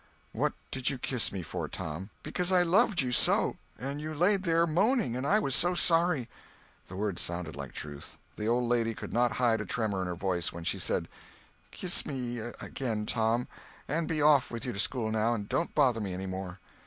"What did you kiss me for, Tom?" "Because I loved you so, and you laid there moaning and I was so sorry." The words sounded like truth. The old lady could not hide a tremor in her voice when she said: "Kiss me again, Tom!—and be off with you to school, now, and don't bother me any more."